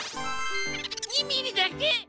２ミリだけ。